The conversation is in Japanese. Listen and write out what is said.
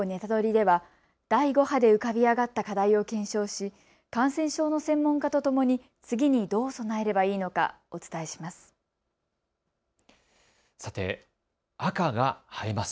では第５波で浮かび上がった課題を検証して感染症の専門家とともに次にどう備えればいいのかお伝えします。